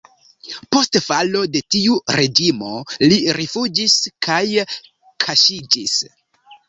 Post falo de tiu reĝimo li rifuĝis kaj kaŝiĝis.